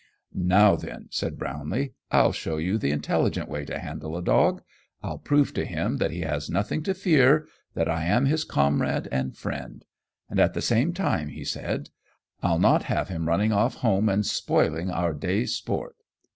"Now, then," said Brownlee, "I'll show you the intelligent way to handle a dog. I'll prove to him that he has nothing to fear, that I am his comrade and friend. And at the same time," he said, "I'll not have him running off home and spoiling our day's sport."